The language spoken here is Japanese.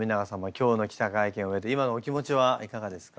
今日の記者会見を終えて今のお気持ちはいかがですか？